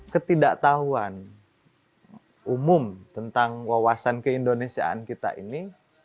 ketidaktahuan umum tentang wawasan keindonesiaan kita ini